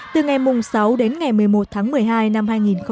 từ ngày mùng sáu đến ngày một mươi một tháng một mươi hai năm hai nghìn một mươi sáu